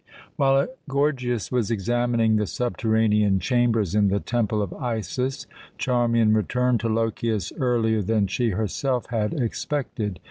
While Gorgias was examining the subterranean chambers in the Temple of Isis, Charmian returned to Lochias earlier than she herself had expected.